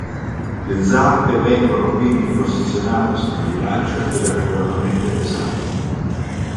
Le zampe vengono quindi posizionate su una bilancia ed accuratamente pesate.